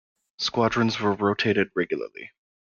Squadrons were rotated regularly.